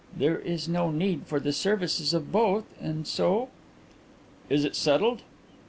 There is no need for the services of both and so " "Is it settled?"